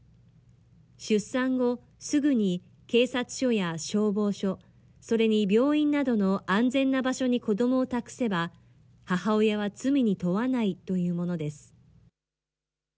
出産後、すぐに警察署や消防署、それに病院などの安全な場所に子どもを託せば、母親は罪に問わないというものです。